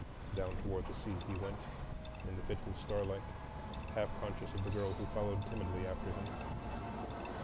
Down toward the sea he went, in the fitful starlight, half conscious of the girl who followed timidly after him.